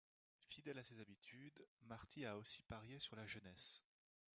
Fidèle à ses habitudes, Marty a aussi parié sur la jeunesse.